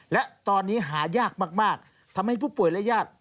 และตอนนี้หายากมากทำให้ผู้ป่วยและญาติ